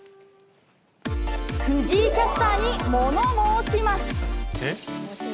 藤井キャスターに物申します。